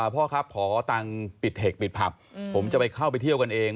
พ่อครับขอตังค์ปิดเทคปิดผับผมจะไปเข้าไปเที่ยวกันเอง